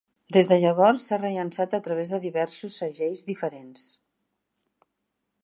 Des de llavors, s'ha rellançat a través de diversos segells diferents.